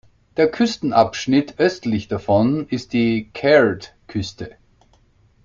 Der Küstenabschnitt östlich davon ist die Caird-Küste.